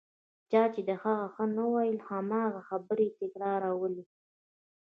چا چې د هغه ښه نه ویل هماغه خبرې تکرارولې.